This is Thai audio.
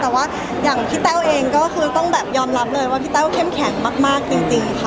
แต่ว่าอย่างพี่แต้วเองก็คือต้องแบบยอมรับเลยว่าพี่แต้วเข้มแข็งมากจริงค่ะ